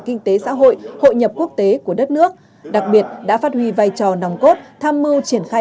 kinh tế xã hội hội nhập quốc tế của đất nước đặc biệt đã phát huy vai trò nòng cốt tham mưu triển khai